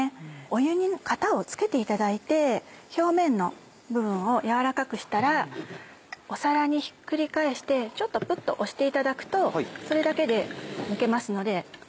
湯に型をつけていただいて表面の部分をやわらかくしたら皿にひっくり返してちょっとぷっと押していただくとそれだけで抜けますので。